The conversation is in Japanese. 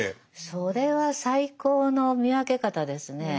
それは最高の見分け方ですねえ。